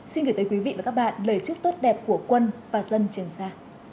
xin gửi tới quý vị và các bạn lời chúc tốt đẹp của quân và dân trường sa